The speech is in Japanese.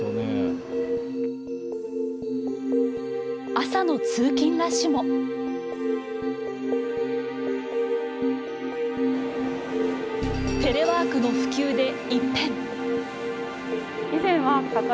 朝の通勤ラッシュもテレワークの普及で一変。